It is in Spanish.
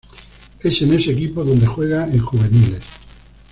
Es en ese equipo donde juega en juveniles.